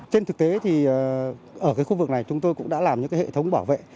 trên thực tế thì ở khu vực này chúng tôi cũng đã làm những hệ thống bảo vệ